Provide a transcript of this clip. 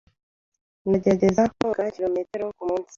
Ndagerageza koga kilometero kumunsi.